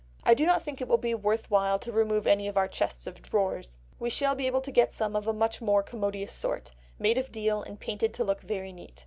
I do not think it will be worth while to remove any of our chests of drawers, we shall be able to get some of a much more commodious sort, made of deal, and painted to look very neat